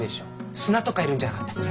砂とか要るんじゃなかったっけ？